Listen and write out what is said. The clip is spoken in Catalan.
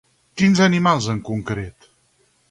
Quins animals, en concret?